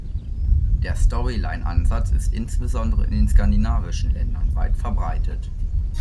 Der Storyline-Ansatz ist insbesondere in den skandinavischen Ländern weit verbreitet.